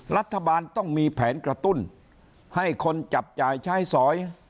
รัฐบาลต้องมีแผนกระตุ้นให้คนจับจ่ายใช้สอย